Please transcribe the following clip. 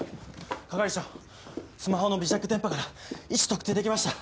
係長スマホの微弱電波から位置特定できました。